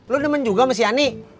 lu demen juga sama si ani